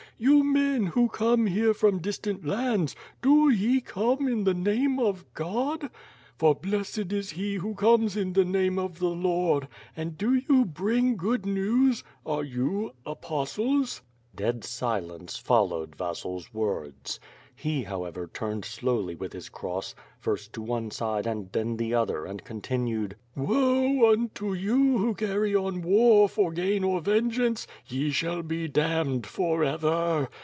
You men who come here from distant lands, do ye come in the name of God?" "For blessed is he who comes in the name of the Lord. And do you bring good news, are you apostles?" Dead silence followed Vasil's words. lie, however, turned slowly with his cross, first to one side and then the other and continued: "Woe unto you who carry on war for gain or vengeance, ye shall be damned forever.